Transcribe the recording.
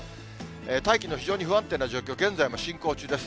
大気の非常に不安定な状況、現在も進行中です。